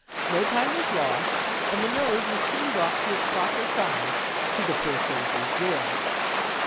No time was lost, and the nose was soon brought to its proper size, to the poor sol dier's joy.